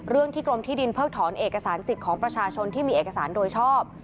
เรื่องที่กรมที่ดินเพิกถอนเอกสารสิทธิ์ของประชาชนที่มีเอกสารโดยชอบ